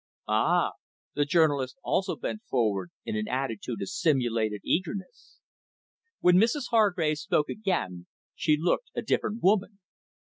"Ah!" The journalist also bent forward, in an attitude of simulated eagerness. When Mrs Hargrave spoke again, she looked a different woman.